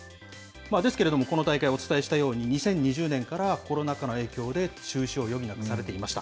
ですけれども、この大会お伝えしたように、２０２０年からはコロナ禍の影響で、中止を余儀なくされていました。